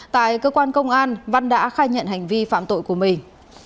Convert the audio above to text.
tại cơ quan công an văn đã khai nhận hành vi phạm tội của mình